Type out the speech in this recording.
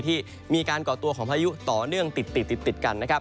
ที่มีการก่อตัวของพายุต่อเนื่องติดติดกันนะครับ